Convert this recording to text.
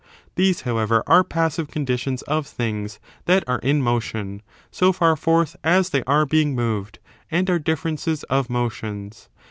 These, however, are passive conditions of things that are in motion, so far forth as they are being moved and are differences of motions.